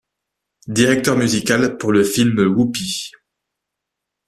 Directeur musical pour le film Whoopee!